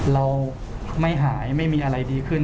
เราไม่หายไม่มีอะไรดีขึ้น